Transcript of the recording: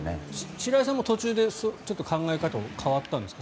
白井さんも途中で考え方が変わったんですか？